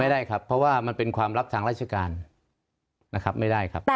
ไม่ได้ครับเพราะว่ามันเป็นความลับทางราชการนะครับไม่ได้ครับ